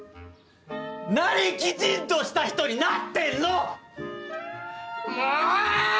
何きちんとした人になってんの⁉もう！